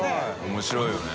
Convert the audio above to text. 面白いよね。